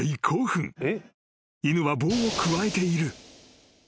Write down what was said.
［犬は棒をくわえている］